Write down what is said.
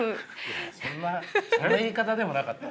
そんなそんな言い方でもなかった。